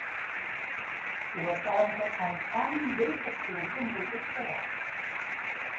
S'ho estaven passant tan bé que s'hi haurien volgut quedar.